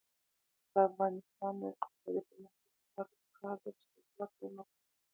د افغانستان د اقتصادي پرمختګ لپاره پکار ده چې غفلت ونکړو.